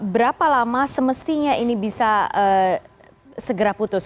berapa lama semestinya ini bisa segera putus